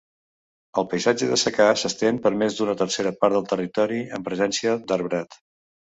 El paisatge de secà s'estén per més d'una tercera part del territori amb presència d'arbrat.